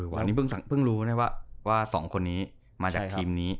วันนี้เพิ่งรู้นะว่า๒คนนี้มาจากทีมนี้